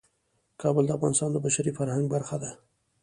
کابل د افغانستان د بشري فرهنګ برخه ده.